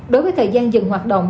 đối với thời gian dừng hoạt động